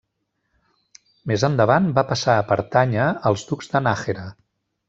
Més endavant va passar a pertànyer als Ducs de Nájera.